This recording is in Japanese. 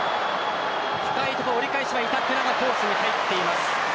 折り返しは板倉がコースに入っています。